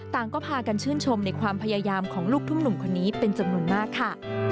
ต่างก็พากันชื่นชมในความพยายามของลูกทุ่งหนุ่มคนนี้เป็นจำนวนมากค่ะ